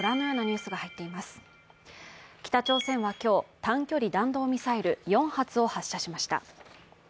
北朝鮮は今日、短距離弾道ミサイル４発を発射しました。